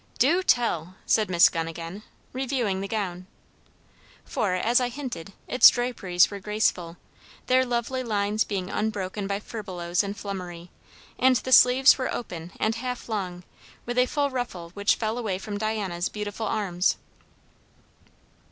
"Du tell!" said Miss Gunn again, reviewing the gown. For, as I hinted, its draperies were graceful, their lovely lines being unbroken by furbelows and flummery; and the sleeves were open and half long, with a full ruffle which fell away from Diana's beautiful arms.